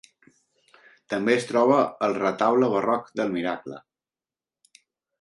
També es troba al Retaule barroc del Miracle.